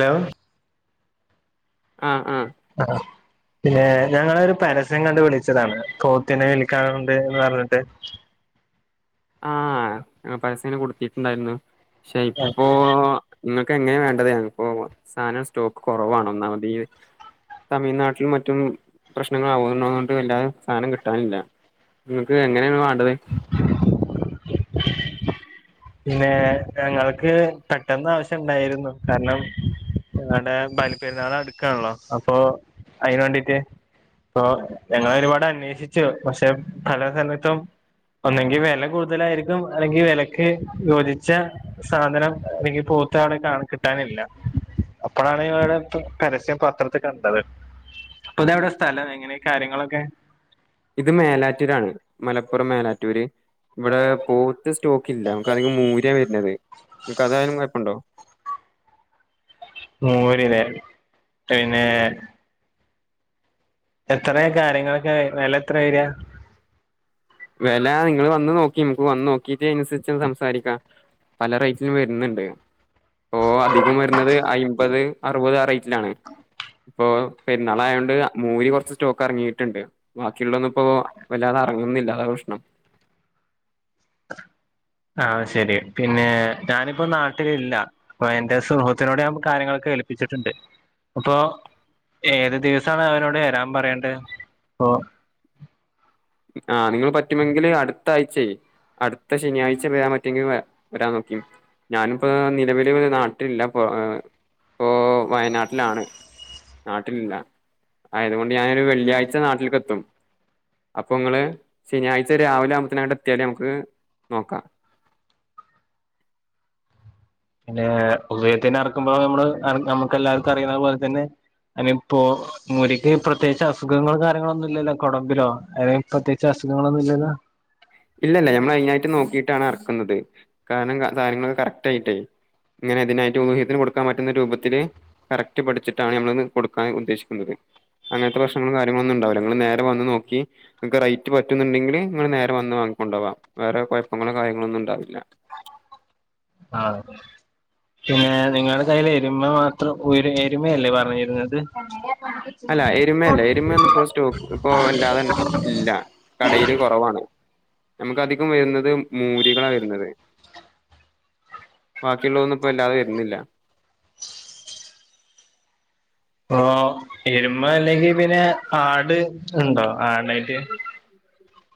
Hello ആഹ് ആഹ് [unintelligible] പിന്നെ ഞങ്ങളൊരു പരസ്യം കണ്ട് വിളിച്ചതാണ് പോത്തിനെ വിൽക്കാനുണ്ട് എന്ന് പറഞ്ഞിട്ട്. ആഹ് ഞങ്ങ പരസ്യം കൊടുത്തിട്ടുണ്ടായിരുന്നു പക്ഷെ ഇപ്പോ ഇങ്ങക്ക് എങ്ങനെ വേണ്ടത് ഞങ്ങക്ക്പ്പൊ സാനം സ്റ്റോക്ക് കൊറവാണ് ഒന്നാമത് ഈ തമിഴ്നാട്ടിലും മറ്റും പ്രശ്നങ്ങളാവണതോണ്ട് വല്ലാതെ സാനം കിട്ടാനില്ല. ഇങ്ങക്ക് എങ്ങനെയാണ് വാണ്ടത്? പിന്നെ ഞങ്ങൾക്ക് പെട്ടെന്ന് ആവശ്യണ്ടായിരുന്നു കാരണം ഇവടെ ബലിപ്പെരുന്നാൾ അടുക്കാണല്ലോ അപ്പൊ അയിന് വേണ്ടീട്ട് ഇപ്പൊ ഞങ്ങളൊരുപാട് അന്വേഷിച്ചു പക്ഷെ പല സ്ഥലത്തും ഒന്നെങ്കി വെല കൂടുതലായിരിക്കും അല്ലെങ്കിൽ വെലക്ക് യോജിച്ച സാധനം അല്ലെങ്കിൽ പോത്താണ് കാളെ കിട്ടാനില്ല അപ്പോഴാണ് ഇവടെ പരസ്യം പത്ര ത്ത് കണ്ടത് അപ്പൊതെവടെ സ്ഥലം എങ്ങനെ കാര്യങ്ങളൊക്കെ ഇത് മേലാറ്റൂരാണ് മലപ്പുറം മേലാറ്റൂര് ഇവിടെ പോത്ത് സ്റ്റോ ക്കില്ല നമുക്ക് അതികം മൂര്യാ വരുന്നത് ഇങ്ങക്ക് അതായാലും കൊഴപ്പണ്ടോ മൂരില്ലേ പിന്നേ എത്രയ കാര്യങ്ങളൊക്കെ വെല എത്ര വരാ വെല നിങ്ങള് വന്ന് നോക്കിം നമുക്ക് വന്ന് നോക്കീട്ട് അതിനനുസരിച്ച് സംസാരിക്കാം. പല റേറ്റിനും വരുന്നുണ്ട്. ഓഹ് അധികം വരുന്നത് അയ്മ്പത് അറുപത് ആഹ് റേറ്റിലാണ് ഇപ്പൊ പെരുന്നാളായോണ്ട് മൂരി കൊറച്ച് സ്റ്റോക്ക് ഇറങ്ങിയിട്ട്ണ്ട് ബാക്കിയുള്ളൊന്നും ഇപ്പോ വല്ലാതെ ഇറങ്ങുന്നില്ല അതാണ് പ്രഷ്ണം ആഹ് ശരി പിന്നെ ഞാനിപ്പോ നാട്ടിലില്ല യെന്റെ സുഹ്രിത്തിനോടെ ഞാൻ കാര്യങ്ങളൊക്കെ ഏൽപ്പിച്ചിട്ടുണ്ട് അപ്പൊ ഏത് ദിവസാണ് അവരോട് വരാൻ പറയണ്ടത് ഇപ്പോ ആഹ് നിങ്ങള് പറ്റുമെങ്കില് അടുത്ത ആഴ്ച്ചേ അടുത്ത ശനിയാഴ്ച വരാൻ പറ്റെങ്കി വരാൻ നോക്കി ഞാനിപ്പോ നിലവില് നാട്ടിലില്ലപ്പോ ഇപ്പോ വയനാട്ടിലാണ്. നാട്ടിലില്ല ആയതുകൊണ്ട് ഞാനൊരു വെള്ളിയാഴ്ച നാട്ടിൽക്ക് എത്തും. അപ്പോ നിങ്ങള് ശനിയാഴ്ച രാവിലെ ആകുമ്പത്തെന് എത്തിയാല് നമുക്ക് നോക്കാം. പിന്നെ ഒളിയത്തിന് അറക്കുമ്പോ നമ്മള് നമുക്ക് എല്ലാർക്കും അറിയ്ണ പോൽതന്നെ അയ്നിപ്പോ മൂരിക്ക് പ്രത്യേകിച്ച് അസുഖങ്ങളും കാര്യങ്ങളൊന്നും ഇല്ലല്ലോ കൊടമ്പിലോ അല്ലെ പ്രത്യേകിച്ച് അസുഖങ്ങളൊന്നും ഇല്ലല്ലോ ഇല്ല ഇല്ല ഞമ്മൾ അയ്നായിട്ട് നോക്കിട്ടാണ് എറക്കുന്നത് കാരണം ങ്ങ സാധനങ്ങളൊക്കെ കറക്റ്റ് ആയിട്ടേ ഇങ്ങനെ ഇതിനായിട്ട് ഊഹത്തിന് കൊടുക്കാൻ പറ്റുന്ന രൂപത്തില് കറക്റ്റ് പഠിച്ചിട്ടാണ് നമ്മളത് കൊടുക്കാൻ ഉദ്ദേശിക്കുന്നത് അങ്ങൻത്തെ പ്രശ്നങ്ങളും കാര്യങ്ങളൊന്നും ഉണ്ടാവൂല നിങ്ങള് നേരെ വന്ന് നോക്കി നിങ്ങക്ക് റേറ്റ് പറ്റുന്നുണ്ടെങ്കില് ഇങ്ങള് നേരെ വന്ന് വാങ്ങിക്കൊണ്ടോവാം വേറെ കൊഴപ്പങ്ങളോ കാര്യങ്ങളോന്നും ഉണ്ടാവില്ല ആഹ് പിന്നെ നിങ്ങളുടെ കയ്ല് എരുമ മാത്രം ഉംഎരുമയല്ലേ പറഞ്ഞിരുന്നത് അല്ല എരുമയല്ല എരുമെന്നും ഇപ്പൊ സ്‌റ്റോ ഇപ്പോ അല്ലാതെ തന്നെ ഇല്ല കടേല് കൊറവാണ് നമുക്ക് അധികം വരുന്നത് മൂരികളാ വരുന്നത് ബാക്കിയുള്ളൊന്നും ഇപ്പ അല്ലാതെ വെര്ന്നില്ല പ്പോ എരുമ അല്ലെങ്കി പിന്നെ ആട് ഇണ്ടോ ആടായിട്ട് [unintelligible]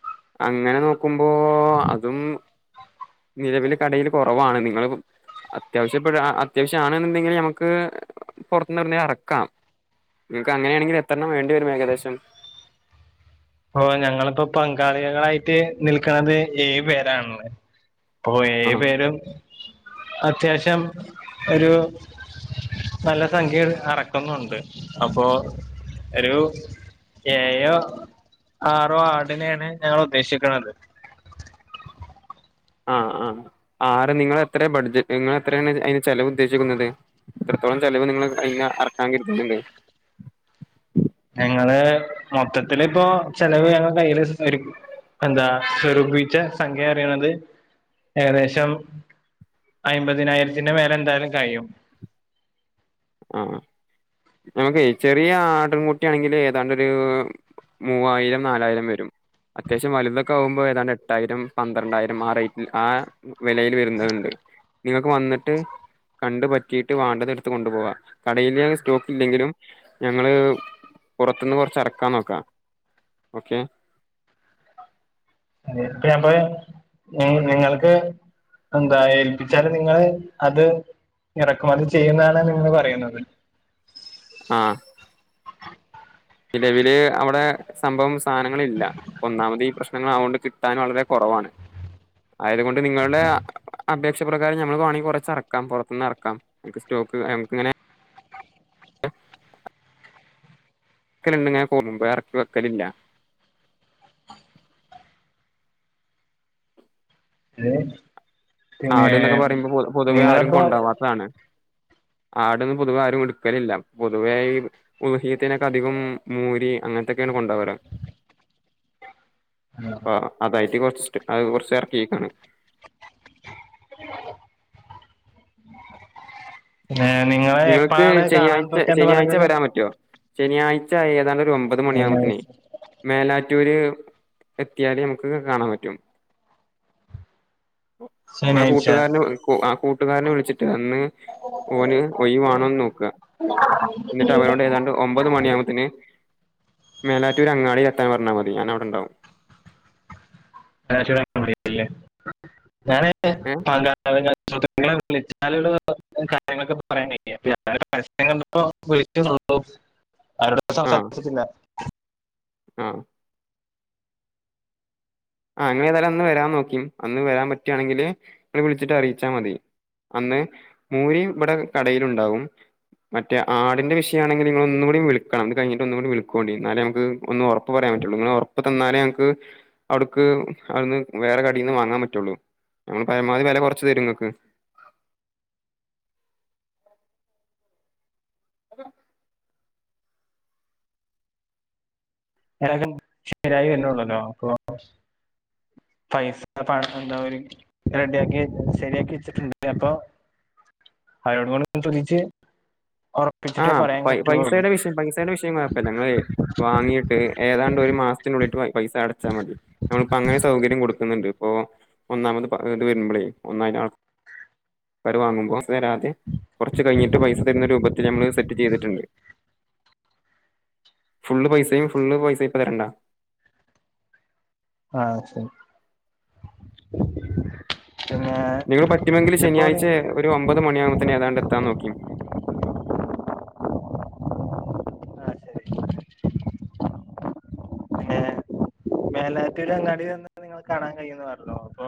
അങ്ങനെ നോക്കുമ്പോ അതും നിലവില് കടേല് കൊറവാണ് നിങ്ങള് അത്യാവശ്യപ്പെട അത്യാവശ്യാണന്നുണ്ടെങ്കില് നമുക്ക് പുറത്ത് ഒന്നിനെ എറക്കാം ഇങ്ങക് അങ്ങനെ ആണക്കിൽ എത്രണ്ണം വേണ്ടിവരും ഏകദേശം ഓഹ് ഞങ്ങളിപ്പോ പങ്കാളികളായിട്ട് നിൽക്കണത് ഏഴ് പേരാണ് ഉള്ളെ ഇപ്പൊ ഏഴ് ആഹ് പേരും അത്യാവശ്യം ഒരു നല്ല സംഖ്യ എറക്കുന്നുണ്ട് അപ്പോ ഒരു ഏയോ ആറോ ആടിനെണ് ഞങ്ങ ഉദ്ദേശിക്ക്ണത് ആഹ് ആഹ് ആറ് നിങ്ങളെത്ര ബഡ്ജറ്റ് നിങ്ങളെത്രണ് അയ്ന് ചെലവ് ഉദ്ദേശിക്കുന്നത് എത്രത്തോളം ചെലവ് നിങ്ങൾ അയ്നെ അറക്കാൻ കരുതുന്ന് ഉണ്ട് ഞങ്ങള് മൊത്തത്തില് ഇപ്പോ ചെലവ് ഞങ്ങ കയ്ൽ സ എന്താ സ്വരൂപിച്ച സംഖ്യറിണത് ഏകദേശം അയ്മ്പതിനായിരത്തിന്റെ മേലെന്തായാലും കയും ആഹ് അഹ് ഇങ്ങക്ക് ചെറിയ ആട്ടും കുട്ടിയാണെങ്കില് ഏതാണ്ടൊരു മൂവായിരം നാലായിരം വരും അത്യാവശ്യം വലുതൊക്കെ ആകുമ്പോൾ ഏതാണ്ട് എട്ടായിരം പന്ത്രണ്ടായിരം ആഹ് റേറ്റിൽ ആഹ് വെലയിൽ വെരുന്നെണ്ട് നിങ്ങൾക്ക് വന്നിട്ട് കണ്ട് പറ്റിയിട്ട് വാണ്ടതെടുത്ത് കൊണ്ടു പോവാ കടയില് സ്റ്റോക്ക് ഇല്ലെങ്കിലും ഞങ്ങള് പൊറത്തിന്ന് കൊറച്ച് എറക്കാൻ നോക്കാം ഓക്കെ അ ഇപ്പ ഞപ്പൊ നിങ്ങൾക്ക് എന്താ ഏൽപ്പിച്ചാല് നിങ്ങള് അത് ഇറക്കുമതി ചെയ്യുന്നാണ് നിങ്ങൾ പറയുണത് ആഹ് നിലവില് അവിടെ സംഭവം സാധനങ്ങളില്ല ഒന്നാമത് പ്രശ്നങ്ങൾ അതോണ്ട് കിട്ടൻ വളരെ കൊറവാണ് ആയതുകൊണ്ട് നിങ്ങളെ അപേക്ഷ പ്രകാരം ഞമ്മൾവാണെ കൊറച്ചെറക്കാം പൊറത്തിന്നെറക്കാം സ്‌റ്റോക്ക് ഞംക്ക്ങ്ങനെ വക്കലുണ്ട് ങ്ങനെ പോന്നും വേറക്ക് വെക്കലില്ല ഏഹ് ആട് എന്നൊക്കെ പറയുമ്പോ പൊതുവെ ആരും നിങ്ങളിപ്പോ കൊണ്ടാവാത്തതാണ് ആടൊന്നും പൊതുവെ ആരും എടുക്കലില്ല പൊതുവെയി ഉള്ഹിയത്തിനൊക്കെ അധികം മുരിയും അങ്ങനത്തൊക്കെയാണ് കൊണ്ട് പോകാറ് [inaudible] അപ്പ അതായിട്ട് കൊറച്ച് അത് കുറച്ച് ഇറക്കിക്കാണ് [inaudible] ഏഹ് നിങ്ങള് നിങ്ങൾക്ക് എപ്പോഴാണ് കാണാൻ ശനിയാഴ്ച പറ്റന്ന് ശനിയാഴ്ച പറയുന്നത് വരാൻ പറ്റോ ശനിയാഴ്ച ഏതാണ്ട് ഒരു ഒമ്പത് മണിയാവുമ്പോത്തനേ ശനിയാഴ്ച മേലാറ്റൂര് എത്തിയാൽ നമുക്ക് കാണാൻ പറ്റും ആഹ് ശനിയാഴ്ച കൂട്ടുകാരനെ ആഹ് കൂട്ടുകാരനെ വിളിച്ചിട്ട് അന്ന് ഓന് കാണോന്ന് നോക്ക എന്നിട്ട് അവരോട് ഏതാണ്ട് ഒമ്പത് മണിയാവുമ്പ മേലാറ്റുർ അങ്ങാടി എത്താൻ പറഞ്ഞാൽ മതി ഞാൻ അവിടെണ്ടാവും [unintelligible] ഞാന് [unintelligible] ഏ [unintelligible] വിളിച്ച കാര്യങ്ങളൊക്കെ പറയ കഴിയട ഞാനോക്കേ പരസ്പര [unintelligible] വിളിച്ച [unintelligible] ആഹ് സംസാരിച്ചിട്ടില്ല ആഹ് ആ ഇങ്ങള് ഏതായാലും അന്ന് വരാൻ നോക്കി അന്ന് വരാൻ പറ്റുകവാണെങ്കില് നി വിളിച്ചിട്ട് അറിയിച്ചാൽ മതി അന്ന് മൂരി ഇവിടെ കടയിലുണ്ടാവും മറ്റേ ആടിന്റെ വിഷയമാണെങ്കിൽ നിങ്ങള ഒന്നും കൂടി വിളിക്കണം ഇതു കിഞ്ഞട്ട് ഒന്ന കൂടി വിളിക്കുകണ്ട എന്നാല നമക്ക് ഒന്ന് ഉറ ഇപ്പ പറയാൻ പറ്റുള്ളൂ നിങ്ങൾ ഉറപ്പു തന്നാലേ ഞക്ക് അവിടുക്ക് അവിടുന്ന് വേറെ കടിയിൽന്ന് വാങ്ങാൻ പറ്റുള്ളൂ ഞങ്ങൾ പരമാവധി വില കുറച്ച് ഇങ്ങക്ക് അതെ ഏതായാലും ശരിയായി വരുന്നുള്ളല്ലോ പൈസ പണ എന്താ [unintelligible] റെഡിയാക്കി ശരിയാക്കി ഇച്ചിട്ടുണ്ട് അപ്പൊ [unintelligible] ആഹ് പറയാൻ പറ്റുള്ളൂ പൈസയുടെ വിഷയം പൈസയുടെ വിഷയം കൊഴപ്പമില്ല ഞങ്ങള് വാങ്ങിട്ട് ഏതാണ്ട് ഒരു മാസത്തിനുള്ളിട്ട് പൈസ അടച്ചാ മതി നമ്മ അങ്ങനെ സൗകര്യം കൊടുക്കും ണ്ട് ഇപ്പ ഒന്നാമത് ഇത് വരുമ്പോളേ ഒന്നായി ആൾ വാങ്ങുമ്പോ തരാതെ കുറച്ച് കഴിഞ്ഞിട്ട് പൈസ തരുന്ന രൂപത്തിൽ ഞമ്മൾ സെറ്റ് ചെയ്തിട്ടുണ്ട് ഫുള് പൈസയും ഫുള് പൈസയും ഇപ്പ തരണ്ട ആഹ ശരി പിന്നെ നിങ്ങൾ പറ്റുമെങ്കിൽ ശനിയാഴ്ച [unintelligible] ഒരു ഒമ്പത് മണിയകുത്തേന് ഏതാണ്ട് എത്താ നോക്കും ആ ശരി അങ്ങെ മേലാറ്റുര് അങ്ങാടി വന്ന് നിങ്ങ കാണാൻ കഴിയന്ന് പറല്ലോ അപ്പൊ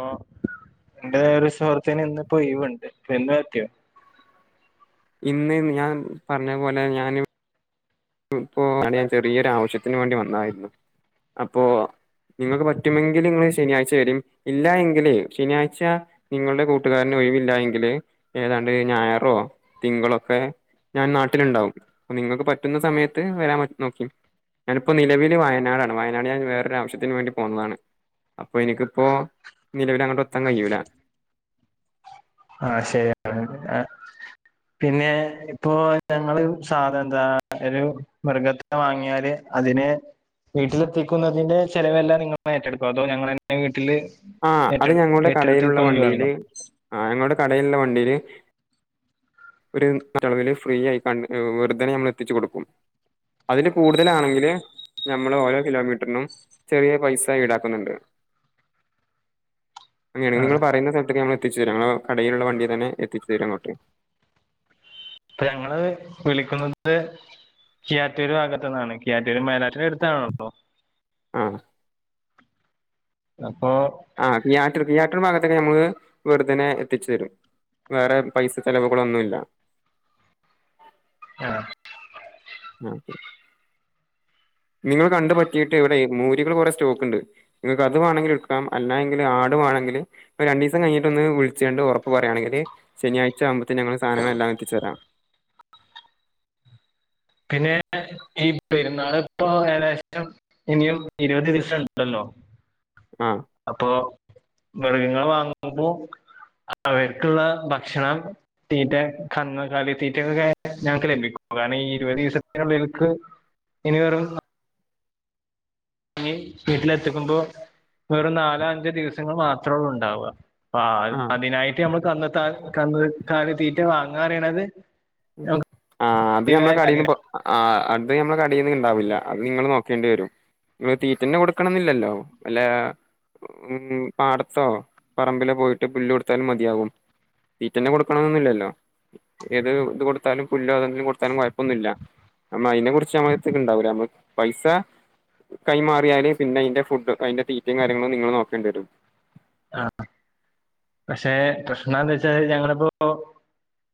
എന്റെ ഒരു സുഹൃത്തിന് ഒഴിവുണ്ട് അപ്പൊ ഇന്ന് പറ്റോ ഇന്ന് ഞാൻ പറഞ്ഞ പോലെ ഞാൻ ഇപ്പോ അട ഞാൻ ചെറിയൊരു ആവശ്യത്തിന് വേണ്ടി വന്നായിരുന്നു അപ്പോ നിങ്ങൾക്ക് പറ്റുമെങ്കിൽ നിങ്ങ ശനിയാഴ്ച വരും ഇല്ല എങ്കിൽ ശനിയാഴ്ച നിങ്ങളുടെ കൂട്ടുകാരന് ഒഴിവില്ല എങ്കില് ഏതാണ്ട് ഞായറോ തിങ്കളൊക്കെ ഞാൻ നാട്ടിലുണ്ടാവും നിങ്ങക്ക് പറ്റുന്ന സമയത്ത് വരാൻ നോക്കി ഞാനിപ്പോ നിലവിൽ വയാനടാണ് വയനാട് ഞാൻ വേറൊരു ആവശ്യത്തിന് വേണ്ടി പോന്നതാണ് അപ്പൊ എനിക്കിപ്പോ നിലവില അങ്ങോട്ട് ഒത്താൻ കഴിയൂല ആഹ ശരി ആ പിന്നെ ഇപ്പോ ഞങ്ങള് സാധ എന്താ ഒരു മൃഗത്തി വാങ്ങിയാല് അതിന് വീട്ടിലെത്തിക്കുന്നതിന്റെ ചെലവെല്ലാം നിങ്ങൾ ഏറ്റെടുക്കോ അതോ ഞങ്ങളന്നെ വീട്ടില് ആഹ് അത് ഏറ്റെടു ഞങ്ങളുടെ ഏറ്റെടുത്ത് കടയിലുള്ള കൊണ്ട് വരണോ വണ്ടിയില് ആ ഞങ്ങളുടെ കടയിലുള്ള വണ്ടിയില് ഒരു ചുറ്റളവില് ഫ്രീ ആയി തന്നെ വെറുതേനെ നമ്മൾ എത്തിച്ചു കൊടുക്കും അതില് കൂട്തലാണെങ്കില് നമ്മള് ഓരോ കിലോമീറ്റർനും ചെറിയ പൈസ ഈടാക്കുന്നുണ്ട് അങ്ങനേണെ ആഹ് ഇങ്ങള് പറയ്ന്ന സ്ഥലത്ത്ക്ക് ഞങ്ങള് എത്തിച്ചെരും കടയില്ള്ള വണ്ടീ തന്നെ എത്തിച്ച് തരും അങ്ങോട്ട് ഇപ്പ ഞങ്ങള് വിളിക്കുന്നത് കിയാറ്റൂര് ഭാഗത്ത്ന്നാണ് കിയാറ്റൂര് മേലാറ്റിന്റെ അടുത്താണല്ലോ ആഹ് അപ്പൊ ആഹ് തിയാറ്റർ തിയാറ്ററ് ഭാഗത്തൊക്കെ ഞമ്മള് വെറ്തനെ എത്തിച്ചരും വേറെ പൈസ ചെലവുകളൊന്നുല്ല ആഹ് ആഹ് ശെരി ഇങ്ങള് കണ്ട് പറ്റീട്ട് ഇവിടെ മൂരികള് കൊറെ സ്റ്റോക്ക്ണ്ട് ഇങ്ങക്ക് അത് വാണങ്കി എടുക്കാം അല്ലാങ്കി ആട് വേണങ്കില് ഇപ്പൊ രണ്ടീസം കഴിഞ്ഞട്ടൊന്ന് വിൾച്ചാണ്ട് ഒറപ്പ് പറയാണെങ്കല് ശെനിയാഴ് ആവ്മ്പത്തിന് ഞങ്ങള് സാധനങ്ങളെല്ലാം എത്തിച്ചരാ പിന്നെ ഈ പെരുന്നാള് ഇപ്പോ ഏകദേശം ഇനിയും ഇരുപത് ദിവസണ്ടല്ലോ ആഹ് അപ്പോ മൃഗങ്ങളെ വാങ്ങുമ്പോ അവർക്ക്ള്ള ഭക്ഷണം തീറ്റ കന്ന് കാലി തീറ്റൊക്കെ ഞങ്ങക്ക് ലഭിക്കും കാരണം ഈ ഇരുപത് ദിവസത്തിനുള്ളിൽക്ക് ഇനി വെറും ഇനി വീട്ടിലെത്തിക്കുമ്പോ വെറും നാലോ അഞ്ചോ ദിവസങ്ങൾ മാത്രോള്ളു ഇണ്ടാവാ അപ്പോ ആഹ് അതിനായിട്ട് നമ്മള് കന്ന്ത്താ കന്ന് കാലി തീറ്റ വാങ്ങാറിണത് ആ അത് ഞമ്മളെ കടേന്ന് പൊ ആഹ് അത് നമ്മളെ കടേന്ന് ഇണ്ടാവില്ല അത് ഇങ്ങള് നോക്കേണ്ടി വരും ഈ തീറ്റന്നെ കൊടുക്കണെന്നില്ലല്ലോ വല്ലാ ഉം പാടത്തോ പറമ്പിലോ പോയിട്ട് പുല്ല് കൊടുത്താലും മതിയാവും തീറ്റന്നെ കൊടുക്കണന്ന്ല്ലല്ലോ ഏത് ഇത് കൊടുത്താലും പുല്ലോ ഏതെങ്കിലും കൊട്ത്താലും കൊഴപ്പൊന്നുല്ല അമ്മ ഐനെ കൊർച്ച് സമത്ത്ക്ണ്ടാവൂല അമ്മ പൈസ കൈമാറിയാല് പിന്നെ ഐന്റെ ഫുഡ് ഐന്റെ തീറ്റേം കാര്യങ്ങളും നിങ്ങള് നോക്കേണ്ടി വരും ആഹ് പക്ഷെ പ്രശ്നെന്തേച്ചാല് ഞങ്ങളിപ്പൊ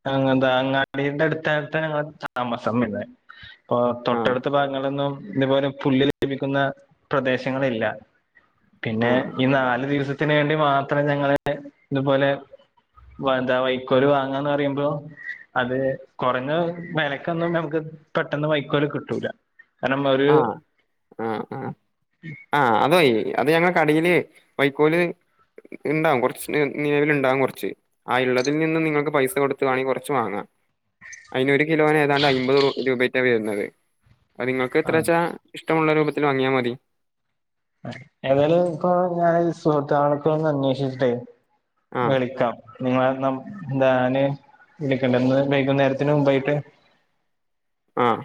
അങ്ങളെന്താ അങ്ങാടിൻ്റെ അട്ത്താട്ടാണ് ഞങ്ങളെ താമസം വരുന്നേ ഇപ്പൊ ആഹ് തൊട്ടടുത്ത് ഭാഗങ്ങളിലൊന്നും ഇതേപോലെ പുല്ല് ലഭിക്കുന്ന പ്രദേശങ്ങളില്ല പിന്നെ ആഹ് ഈ നാല് ദിവസത്തിന് വേണ്ടി മാത്രം ഞങ്ങള് ഇത്പോലെ എന്താ വൈക്കോല് വാങ്ങാന്നറിയുമ്പോ അത് കൊറഞ്ഞ വെലക്കൊന്നും നമുക്ക് പെട്ടെന്ന് വൈക്കോല് കിട്ടൂല കാരണം ഒരു ആഹ് ആഹ് ആഹ് ആഹ് അത്കയ്യൂല അത് ഞങ്ങളെ കടീല് വൈക്കോല് ഇണ്ടാകും കൊർച്ച് നിലവില്ണ്ടാകും കൊർച്ച് ആ ഇള്ളതിൽ നിന്നും നിങ്ങക്ക് പൈസ കൊട്ത്ത് വാണെങ്കി കൊർച്ച് വാങ്ങാ ഐന് ഒരു കിലോന് ഏതാണ്ട് ഐമ്പത് രൂ രൂപേറ്റെ വെര്ന്നത് അത് നിങ്ങക്ക് ആഹ് എത്രെച്ചാ ഇഷ്ടമുള്ള രൂപത്തില് വങ്ങ്യാ മതി ഏതായാലും ഇപ്പൊ ഞാന് സുഹൃത്താളോടൊക്കൊന്ന് അന്വേഷിച്ച്ട്ടെ ആഹ് വിളിക്കാം നിങ്ങളാ [unintelligible] ന്താന്. വിളിക്കണ്ടെന്ന്. വൈകുന്നേരത്തിന് മുമ്പായിട്ട്. ആഹ്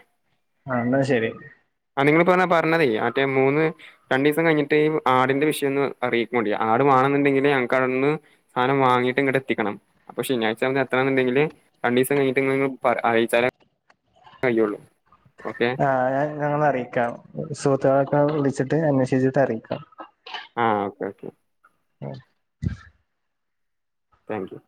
ആഹ്. ന്നാ ശെരി. ആഹ് നിങ്ങൾ [unintelligible] പറഞ്ഞതേ മറ്റേ മൂന്ന് രണ്ടീസം കയ്ഞ്ഞിട്ട് ആടിന്റെ വിഷയൊന്ന് അറിയിക്കാേണ്ടി. ആട് മാണെന്ന്ണ്ടെങ്കില് ഞങ്ങക്കതൊന്ന് സാനം വാങ്ങീട്ട് ഇങ്ങട്ടെ ത്തിക്കണം. അപ്പൊ ശനിയാഴ്ച എത്രാന്ന്ണ്ടെങ്കില് രണ്ടീസം കഴിഞ്ഞിട്ട് ങ്ങള് ങ്ങള് പറയാ. അ റീച്ചാലാ അ [unintelligible] ള്ളൂ. ഓക്കെ ആഹ്. ഞങ്ങളറീക്കാം. സുത്രാ [unintelligible] വിളിച്ചിട്ട് അന്വേഷിച്ചിട്ട് അറിയിക്കാം. ആഹ് ഓക്കെ ഓക്കെ ഉം താങ്ക് യൂ